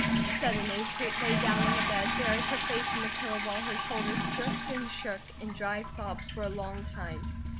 Suddenly Kate lay down on the bed, buried her face in the pillow while her shoulders jerked and shook in dry sobs for a long time.